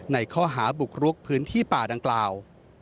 ในข้อหาบุกรุกพื้นที่ป่าดังกล่าว